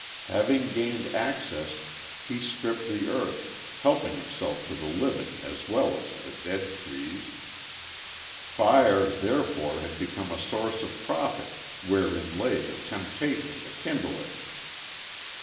Having gained access, he stripped the earth, helping himself to the living as well as the dead trees. _Fire, therefore, had become a source of profit wherein lay the temptation to kindle it.